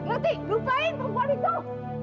nanti lupain perempuan itu